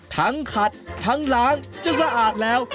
ทั้งขัดทั้งหลางจะสะอาดแล้ว